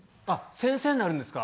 先生になるんですか？